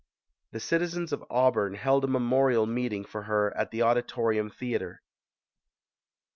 The citizens of Auburn held a memorial meet ing for her at the Auditorium Theatre.